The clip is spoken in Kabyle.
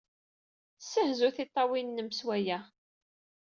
Ssezhut tiṭṭawin-nwen s waya.